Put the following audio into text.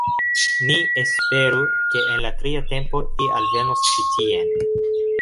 Ni esperu ke en la tria tempo li alvenos ĉi tien